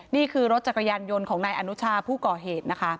นี่คือรถจักรยานยนต์ของนายอนุชาผู้ก่อเหตุนะคะ